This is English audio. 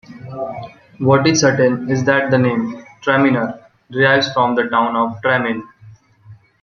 What is certain is that the name "Traminer" derives from the town of Tramin.